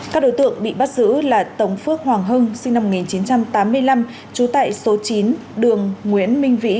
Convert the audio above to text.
các đối tượng bị bắt giữ là tống phước hoàng hưng sinh năm một nghìn chín trăm tám mươi năm trú tại số chín đường nguyễn minh vĩ